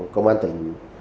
công an tỉnh